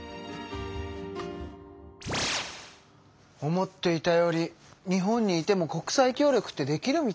思っていたより日本にいても国際協力ってできるみたい！